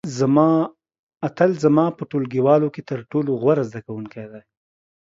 اتل زما په ټولګیوالو کې تر ټولو غوره زده کوونکی دی.